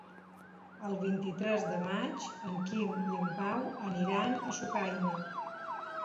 El vint-i-tres de maig en Quim i en Pau aniran a Sucaina.